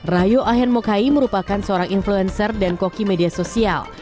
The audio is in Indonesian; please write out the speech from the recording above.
rayo ahen mokai merupakan seorang influencer dan koki media sosial